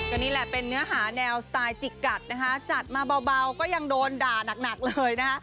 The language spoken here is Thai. อันนี้แหละเป็นเนื้อหาแนวสไตล์จิกกัดนะคะจัดมาเบาก็ยังโดนด่านักเลยนะคะ